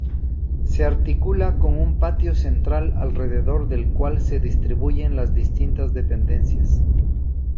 Se articula con un patio central, alrededor del cual se distribuyen las distintas dependencias.